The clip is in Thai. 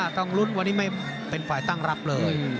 ต้องลุ้นวันนี้ไม่เป็นฝ่ายตั้งรับเลย